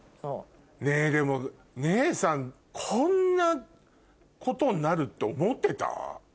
ねぇでも姉さんこんなことになるって思ってた？